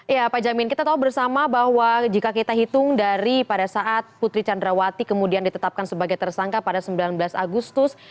ya pak jamin kita tahu bersama bahwa jika kita hitung dari pada saat putri candrawati kemudian ditetapkan sebagai tersangka pada sembilan belas agustus